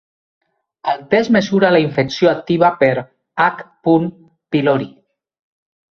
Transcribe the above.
El test mesura la infecció activa per "H. pylori".